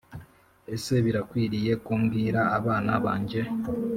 Ese birakwiriye ko mbwira abana banjye